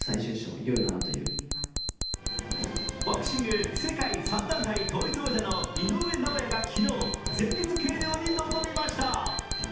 ボクシング世界３団体統一王者の井上尚弥が昨日、前日計量に臨みました。